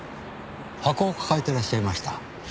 箱を抱えてらっしゃいました。